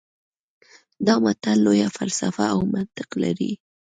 دا متل لویه فلسفه او منطق لري